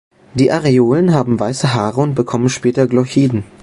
Die Areolen haben weiße Haare und bekommen später Glochiden.